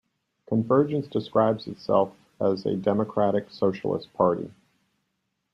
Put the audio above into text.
Convergence describes itself as a democratic socialist party.